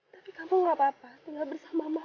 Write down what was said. tapi kamu gak apa apa tinggal bersama mama